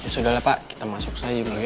sudahlah pak kita masuk saja dulu ya